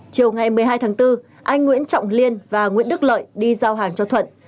chiều ngày một mươi hai tháng bốn anh nguyễn trọng liên và nguyễn đức lợi đi giao hàng cho thuận